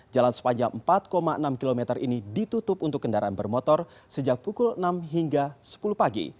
jalan sepanjang empat enam km ini ditutup untuk kendaraan bermotor sejak pukul enam hingga sepuluh pagi